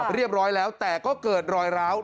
เรียบร้อยแล้วแต่ก็เกิดรอยร้าว